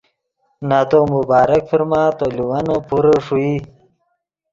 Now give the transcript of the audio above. نتو مبارک فرما تو لیوینے پورے ݰوئی